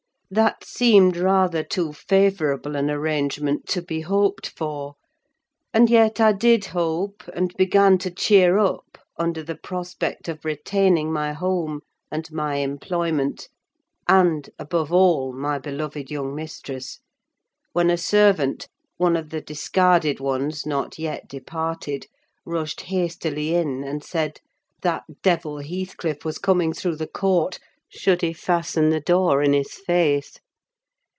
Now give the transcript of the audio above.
That seemed rather too favourable an arrangement to be hoped for; and yet I did hope, and began to cheer up under the prospect of retaining my home and my employment, and, above all, my beloved young mistress; when a servant—one of the discarded ones, not yet departed—rushed hastily in, and said "that devil Heathcliff" was coming through the court: should he fasten the door in his face?